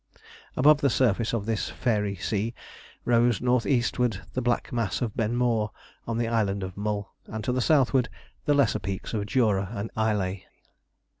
Above the surface of this fairy sea rose north eastward the black mass of Ben More on the Island of Mull, and to the southward, the lesser peaks of Jura and Islay.